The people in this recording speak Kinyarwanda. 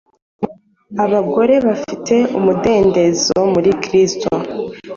abagore bafite umudendezo muri Kristo,